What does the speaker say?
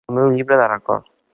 Al meu llibre de records